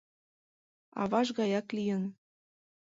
— Аваж гаяк лийын.